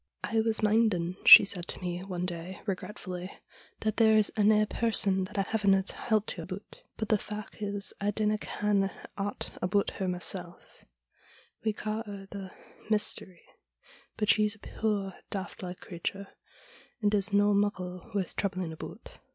' I was minding,' she said to me one day regretfully, ' that there's ane person that I havena telt ye aboot. But the fac' is I dinna ken aught aboot her mysel' We ca' her the Mystery. But she's a puir, daft like creature, and is no muckle worth troubling aboot.'